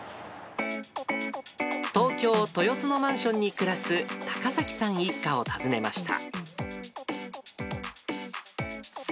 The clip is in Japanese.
東京・豊洲のマンションに暮らす高崎さん一家を訪ねました。